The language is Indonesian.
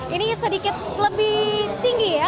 ini sedikit lebih tinggi ya